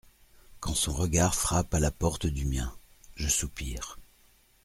quand son regard frappe à la porte du mien … je soupire !